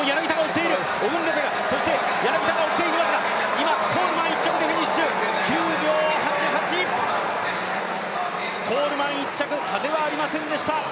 今コールマンが１着でフィニッシュ９秒８８、コールマン、１着風はありませんでした。